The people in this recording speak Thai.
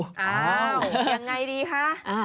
อ้าวยังไงดีคะ